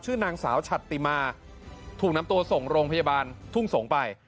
นางสาวชัตติมาถูกนำตัวส่งโรงพยาบาลทุ่งสงศ์ไป